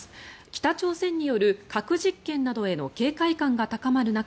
北朝鮮による核実験などへの警戒感が高まる中